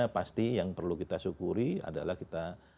pasti yang perlu kita syukuri adalah kita